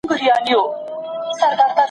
هغه وخت چې اوبه وساتل شي، ژوند باثباته کېږي.